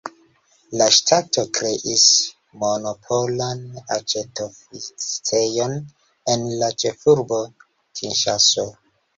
La ŝtato kreis monopolan aĉetoficejon en la ĉefurbo Kinŝaso.